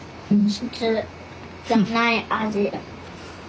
普通じゃない味。